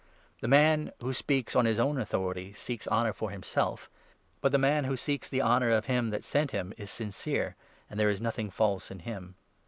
The man who speaks on his own authority seeks 18 honour for himself; but the man who seeks the honour of him that sent him is sincere, and there is nothing false in him.